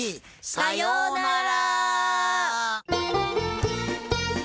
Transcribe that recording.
さようなら！